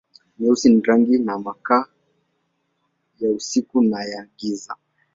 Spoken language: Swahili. Nyeusi ni rangi na makaa, ya usiku na ya giza.